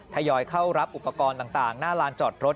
ทยอยเข้ารับอุปกรณ์ต่างหน้าลานจอดรถ